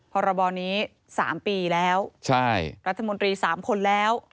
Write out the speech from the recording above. พรบนี้๓ปีแล้วรัฐมนตรี๓คนแล้ว